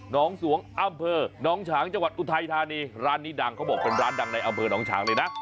น้องสวงอำเภอน้องฉางจังหวัดอุทัยธานีร้านนี้ดังเขาบอกเป็นร้านดังในอำเภอหนองฉางเลยนะ